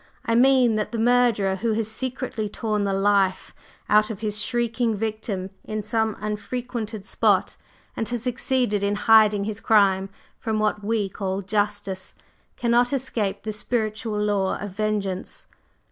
I mean that the murderer who has secretly torn the life out of his shrieking victim in some unfrequented spot, and has succeeded in hiding his crime from what we call 'justice,' cannot escape the Spiritual law of vengeance.